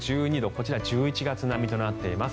こちら１１月並みとなっています。